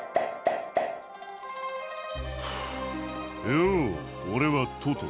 よう俺はトト。